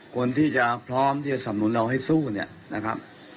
คนที่จะพร้อมที่จะสำนุนเราให้สู้เนี่ยนะครับ